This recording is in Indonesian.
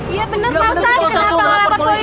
iya bener pak ustadz